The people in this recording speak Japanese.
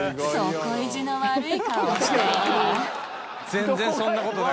全然そんな事ない。